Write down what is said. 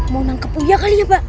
mau nangkep puya kali ya pak